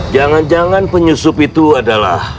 jangan jangan penyusup itu adalah